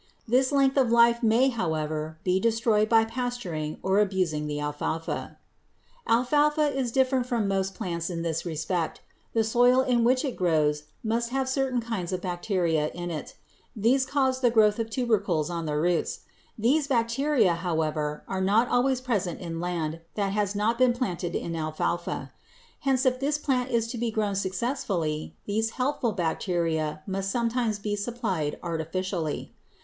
This length of life may, however, be destroyed by pasturing or abusing the alfalfa. [Illustration: FIG. 231. SHEEP FATTENING ON ALFALFA STUBBLE] Alfalfa is different from most plants in this respect: the soil in which it grows must have certain kinds of bacteria in it. These cause the growth of tubercles on the roots. These bacteria, however, are not always present in land that has not been planted in alfalfa. Hence if this plant is to be grown successfully these helpful bacteria must sometimes be supplied artificially.